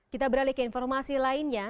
kita beralih ke informasi lainnya